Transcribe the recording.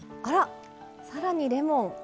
あら更にレモン。